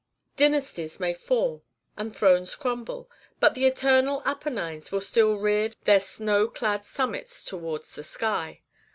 Dynasties may fall, and thrones crumble, but the eternal Apennines will still rear their snow clad summits towards the sky.